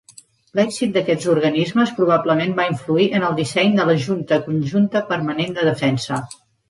L'èxit d'aquests organismes probablement va influir en el disseny de la Junta Conjunta Permanent de Defensa